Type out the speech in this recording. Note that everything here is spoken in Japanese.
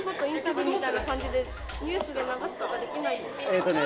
えっとね